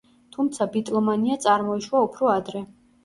თუმცა ბიტლომანია წარმოიშვა უფრო ადრე.